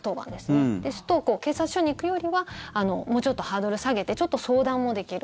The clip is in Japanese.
それですと警察署に行くよりはもうちょっとハードル下げてちょっと相談もできる。